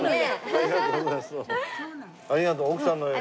ありがとう。